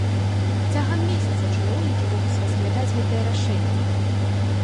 Цягам месяца чыноўнікі могуць разглядаць гэтае рашэнне.